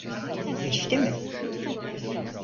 Geçti mi?